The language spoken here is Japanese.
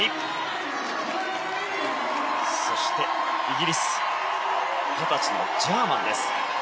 そして、イギリス二十歳のジャーマンです。